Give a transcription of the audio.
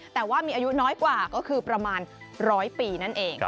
แต่ว่ามีอายุน้อยกว่าก็คือประมาณ๑๐๐ปีนั่นเอง